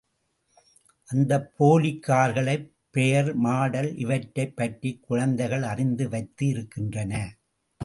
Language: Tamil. அந்தப் போலி கார்களை பெயர் மாடல் இவற்றைப் பற்றிக் குழந்தைகள் அறிந்து வைத்து இருக்கின்றன.